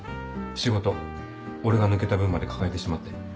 仕事俺が抜けた分まで抱えてしまって。